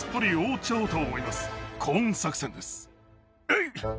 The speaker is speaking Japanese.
えい！